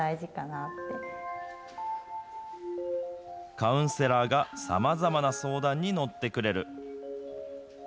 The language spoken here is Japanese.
カウンセラーがさまざまな相談に乗ってくれる。